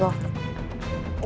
kalau gue buka tas lo